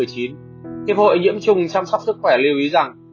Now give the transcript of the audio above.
hiệp hội nhiễm trùng chăm sóc sức khỏe lưu ý rằng